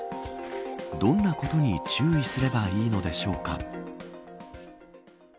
どんなことに注意すればいいのでしょうか。